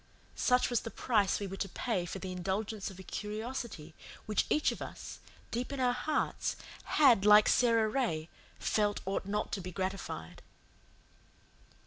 Such was the price we were to pay for the indulgence of a curiosity which each of us, deep in our hearts, had, like Sara Ray, felt ought not to be gratified.